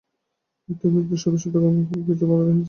প্রত্যেক ব্যক্তির শত শত জন্মের কর্মফল পিঠে বাঁধা রহিয়াছে।